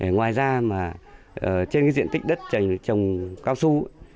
ngoài ra trên diện tích đất trồng cao su